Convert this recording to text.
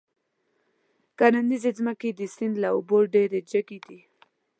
کرنيزې ځمکې د سيند له اوبو ډېرې جګې دي.